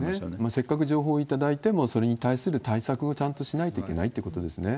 せっかく情報頂いても、それに対する対策をちゃんとしないといけないってことですね。